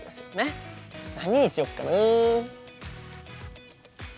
何にしよっかな？